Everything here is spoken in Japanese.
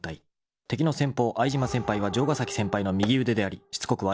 ［敵の先方相島先輩は城ヶ崎先輩の右腕でありしつこく